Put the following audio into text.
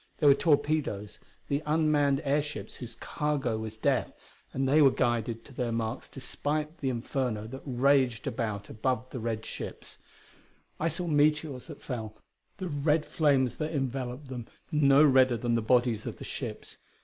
There were torpedoes, the unmanned airships whose cargo was death, and they were guided to their marks despite the inferno that raged about the red ships above. I saw meteors that fell, the red flames that enveloped them no redder than the bodies of the ships.